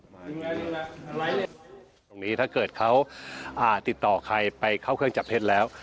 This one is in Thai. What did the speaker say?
ตรงนี้ถ้าเกิดเขาอ่าติดต่อใครไปเข้าเครื่องจับเท็จแล้ว